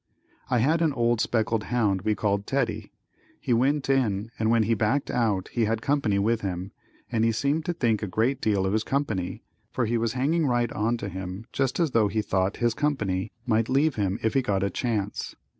I had an old speckled hound we called Teddy. He went in and when he backed out he had company with him, and he seemed to think a great deal of his company, for he was hanging right on to him just as though he thought his company might leave him if he got a chance.